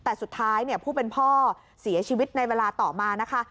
แต่สุดท้ายผู้เป็นพ่อเสียชีวิตในเวลาต่อมานะคะ